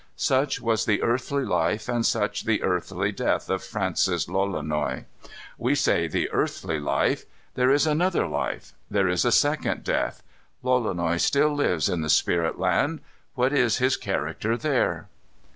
Such was the earthly life, and such the earthly death of Francis Lolonois. We say the earthly life. There is another life. There is a second death. Lolonois still lives in the spirit land. What is his character there?